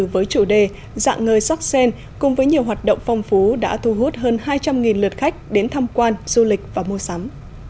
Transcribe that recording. với chủ đề dạng người sắc sen cùng với nhiều hoạt động phong phú đã thu hút hơn hai trăm linh lượt khách đến tham quan du lịch và mua sắm